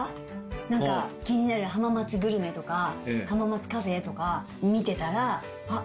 なんか気になる浜松グルメとか浜松カフェとか見てたらあっ